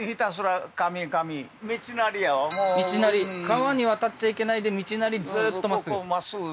川に渡っちゃいけないで道なりずーっとまっすぐ？